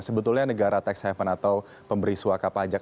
sebetulnya negara tax haven atau pemberi suaka pajak